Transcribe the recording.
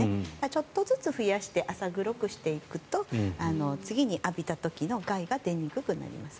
ちょっとずつ増やして浅黒くしていくと次に浴びた時の害が出にくくなります。